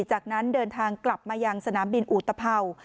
จากนั้นเดินทางกลับมายังสนามบินอุตภัวร์